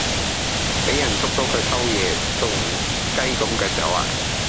比人捉到佢偷野，仲唔雞咁腳走呀